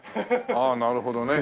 ああなるほどね。